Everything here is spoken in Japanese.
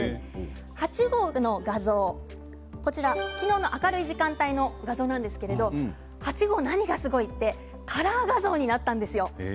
８号の画像、昨日の明るい時間帯の画像なんですけれども８号の何がすごいってカラー画像になったんですよ。